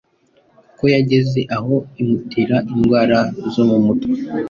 kuko yageze aho imutera indwara zo mu mutwe,